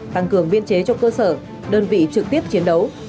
tăng cường biên chế cho cơ sở đơn vị trực tiếp chiến đấu